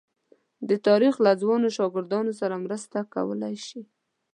د تاریخ له ځوانو شاګردانو سره مرسته کولای شي.